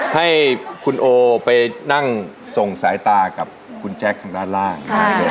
ให้คุณโอไปนั่งส่งสายตากับคุณแจ๊คทางด้านล่าง